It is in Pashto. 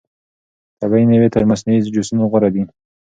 طبیعي مېوې تر مصنوعي جوسونو غوره دي.